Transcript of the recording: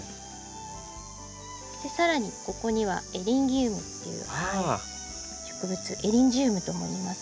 さらにここにはエリンギウムっていう植物エリンジウムともいいますが。